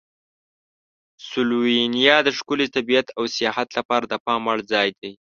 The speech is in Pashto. سلووینیا د ښکلي طبیعت او سیاحت لپاره د پام وړ ځای دی.